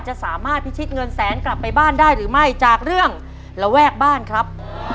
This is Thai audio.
จะสามารถพิชิตเงินแสนกลับไปบ้านได้หรือไม่จากเรื่องระแวกบ้านครับ